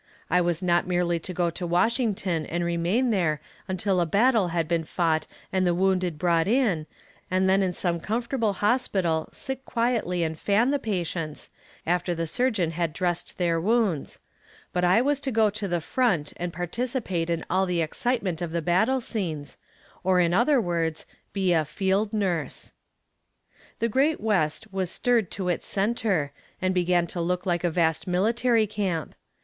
I was not merely to go to Washington and remain there until a battle had been fought and the wounded brought in, and then in some comfortable hospital sit quietly and fan the patients, after the Surgeon had dressed their wounds; but I was to go to the front and participate in all the excitement of the battle scenes, or in other words, be a "FIELD NURSE." The great West was stirred to its center, and began to look like a vast military camp.